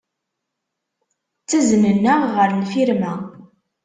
Ttaznen-aɣ ɣer lfirma.